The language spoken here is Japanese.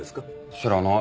知らない。